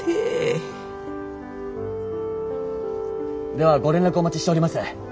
ではご連絡お待ちしております。